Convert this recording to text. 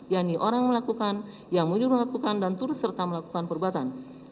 yang diorang melakukan yang muncul melakukan dan turut serta melakukan perbuatan